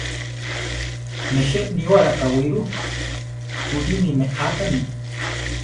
Nejé níwara káwi ru? Kulí ni méakami.